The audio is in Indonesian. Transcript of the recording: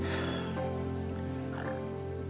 kalau mas maunya begitu